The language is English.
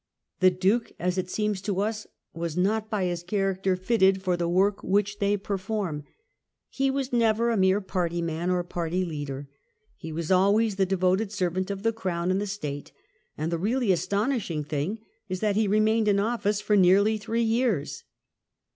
The Duke, as it seems to us, was not, by his character, fitted for the work which they perform ; he was never a mere party man or party leader — he was always the devoted servant of the Crown and the State ; and the really astonishing thing is that he remained in office for nearly three years.